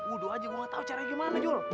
udo aja gua ga tau gimana jul